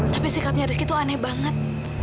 tapi sikapnya rizki tuh aneh banget